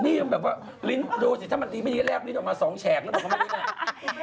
นี่แบบว่าดูสิถ้ามันตีไม่ได้แล้วดูสิออกมา๒แฉกแล้วก็ไม่ได้แล้ว